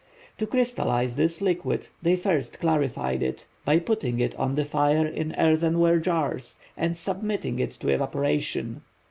To crystallize this liquid they first clarified it, by putting it on the fire in earthenware jars, and submitting it to evaporation.